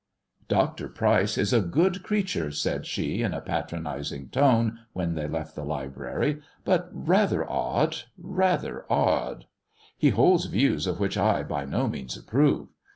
" Dr. Pryce is a good creature," said she in a patronizing tone when they left the library, " but rather odd — rather odd. He holds views of which I by no means approve.